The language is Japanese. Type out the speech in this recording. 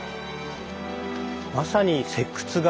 まさに石窟が。